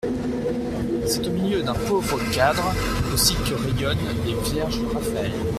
C'est au milieu d'un pauvre cadre aussi que rayonnent les vierges de Raphaël.